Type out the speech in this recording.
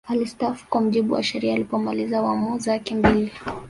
alistaafu kwa mujibu wa sheria alipomaliza wamu zake mbili